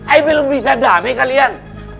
eh belum bisa damai kalian